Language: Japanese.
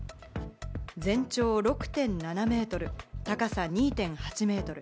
全長６．７メートル、高さ２．８メートル。